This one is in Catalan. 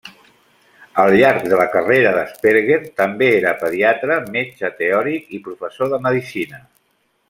Al llarg de la carrera d'Asperger, també era pediatre, metge teòric i professor de medicina.